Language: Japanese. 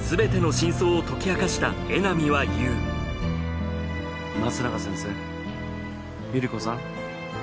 すべての真相を解き明かした江波は言う松永先生ゆり子さん